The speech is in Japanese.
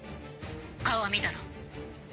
顔は見たの？